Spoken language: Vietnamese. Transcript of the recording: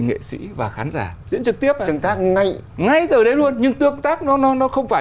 nghệ sĩ và khán giả diễn trực tiếp tương tác ngay ngay từ đấy luôn nhưng tương tác nó nó không phải